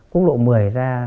phúc lộ một mươi ra